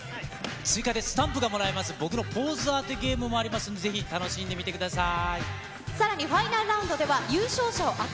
追加でスタンプがもらえます、僕のポーズ当てゲームもありますんで、ぜひ楽しんでみてください。